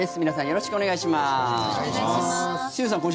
よろしくお願いします。